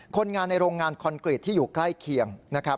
คนงานในโรงงานคอนกรีตที่อยู่ใกล้เคียงนะครับ